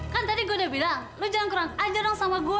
kan tadi gua udah bilang lu jangan kurang ajar sama gua